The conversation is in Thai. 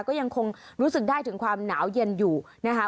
ก็ยังคงรู้สึกได้ถึงความหนาวเย็นอยู่นะคะ